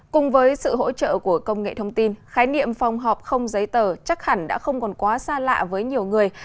cùng với sự hỗ trợ của công nghệ thông tin khái niệm phòng họp không giấy tờ chắc hẳn đã không còn quá xa lạ với nhiều người